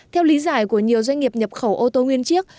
theo lý giải của nhiều doanh nghiệp nhập khẩu ô tô nguyên chiếc